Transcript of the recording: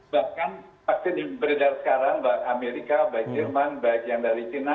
bahkan vaksin yang beredar sekarang baik amerika baik jerman baik yang dari china